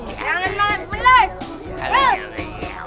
udah jilat jilatin permanen